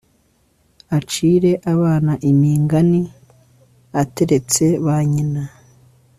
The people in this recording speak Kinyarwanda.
acire abana imingani ataretse ba nyina